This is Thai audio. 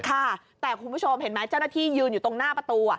ค่ะแต่คุณผู้ชมเห็นไหมเจ้าหน้าที่ยืนอยู่ตรงหน้าประตู